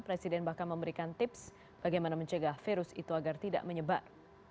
presiden bahkan memberikan tips bagaimana mencegah virus itu agar tidak menyebar